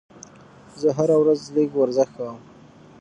زه هره ورځ لږ ورزش کوم.